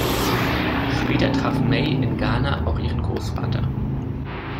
Später traf May in Ghana auch ihren Großvater.